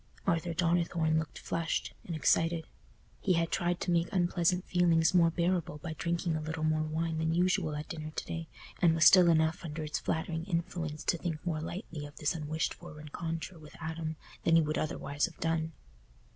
Arthur Donnithorne looked flushed and excited; he had tried to make unpleasant feelings more bearable by drinking a little more wine than usual at dinner to day, and was still enough under its flattering influence to think more lightly of this unwished for rencontre with Adam than he would otherwise have done.